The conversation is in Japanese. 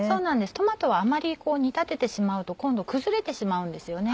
トマトはあまり煮立ててしまうと今度は崩れてしまうんですよね。